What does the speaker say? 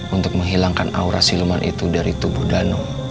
untuk menghilangkan aura siluman itu dari tubuh danau